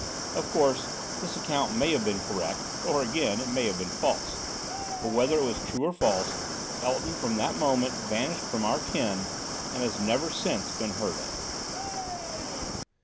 Of course, this account may have been correct, or again, it may have been false; but whether it was true or false, Elton, from that moment, vanished from our ken and has never since been heard of.